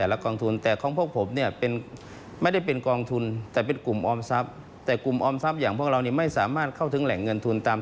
หน่วยงานภาครัฐสถาบันการเงิน